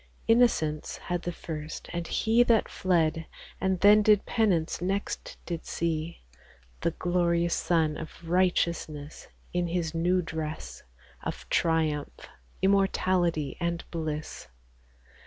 Innocence had the first ; and he That fled, and then did penance, next did see The glorious Sun of Righteousness In His new dress Of triumph, immortality, and bliss.